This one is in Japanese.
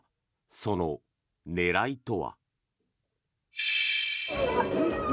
その狙いとは。